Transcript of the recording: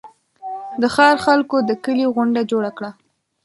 د ښار خلکو د کلي غونډه جوړه کړه.